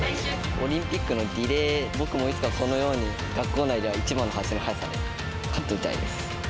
オリンピックのリレー、僕もいつかこのように、学校内では一番の足の速さで勝ってみたいです。